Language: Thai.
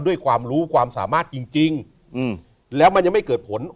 ด้วยความรู้ความสามารถจริงแล้วมันยังไม่เกิดผล